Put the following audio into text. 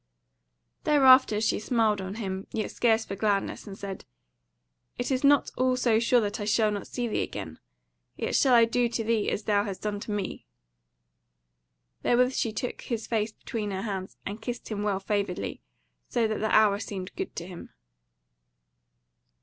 Thereafter she smiled on him, yet scarce for gladness, and said: "It is not all so sure that I shall not see thee again; yet shall I do to thee as thou hast done to me." Therewith she took his face between her hands, and kissed him well favouredly; so that the hour seemed good to him.